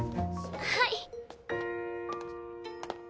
はい。